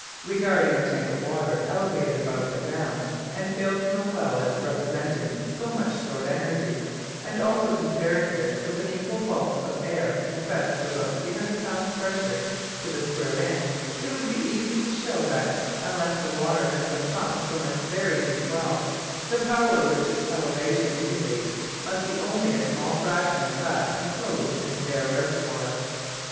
Regarding a tank of water elevated above the ground and filled from a well as representing so much stored energy, and also comparing this with an equal bulk of air compressed to about 300 pounds pressure to the square inch, it would be easy to show that unless the water has been pumped from a very deep well the power which its elevation indicates must be only a small fraction of that enclosed in the air reservoir.